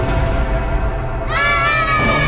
itu berapaan hal ini